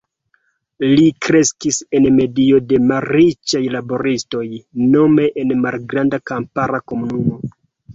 Li kreskis en medio de malriĉaj laboristoj, nome en malgranda kampara komunumo.